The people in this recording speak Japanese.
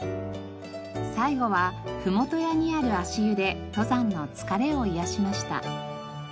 最後はフモトヤにある足湯で登山の疲れを癒やしました。